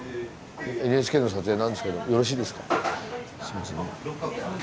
・ＮＨＫの撮影なんですけどよろしいですか？